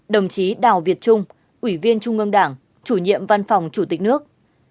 hai mươi tám đồng chí đào việt trung ủy viên trung ương đảng chủ nhiệm văn phòng chủ tịch nước